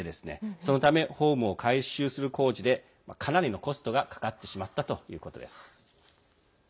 そのためホームを改修する工事でかなりのコストがかかってしまったということです。